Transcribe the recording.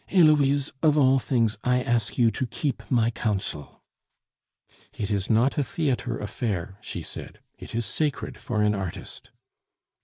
"Heloise, of all things, I ask you to keep my counsel." "It is not a theatre affair," she said; "it is sacred for an artist."